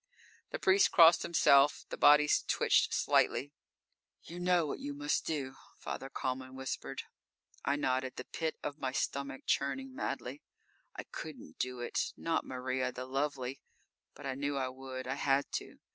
The priest crossed himself. The bodies twitched slightly. "You know what you must do," Father Kalman whispered. I nodded, the pit of my stomach churning madly. I couldn't do it! Not Maria, the lovely. But I knew I would; I had to.